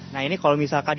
nah ini kalau misalkan